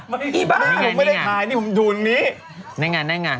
ผมไม่ได้ถ่ายนี่ผมดูลงนี้